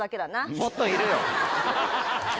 もっといるよ。